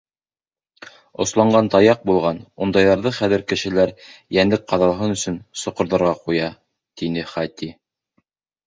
— Осланған таяҡ булған, ундайҙарҙы хәҙер кешеләр, йәнлек ҡаҙалһын өсөн, соҡорҙарға ҡуя, — тине Хати.